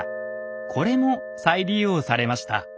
これも再利用されました。